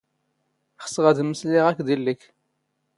ⵅⵙⵖ ⴰⴷ ⵎⵎⵙⵍⴰⵢⵖ ⴰⴽⴷ ⵉⵍⵍⵉⴽ.